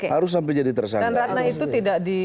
harus sampai jadi tersangka